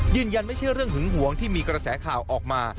ยืนยันไม่ใช่เรื่องหึงหวงที่มีกระแสข่าวออกมา